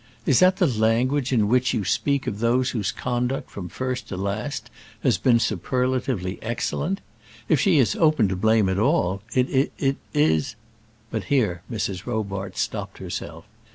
Is that the language in which you speak of those whose conduct from first to last has been superlatively excellent? If she is open to blame at all, it is it is " But here Mrs. Robarts stopped herself.